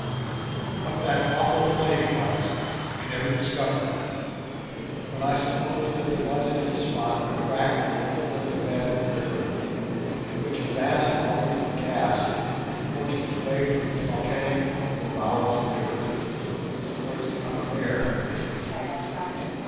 What that awful flame was we never discovered, but I suppose that there was at this spot a crack or hole in the bed of the river through which a vast volume of gas forced its way from its volcanic home in the bowels of the earth towards the upper air.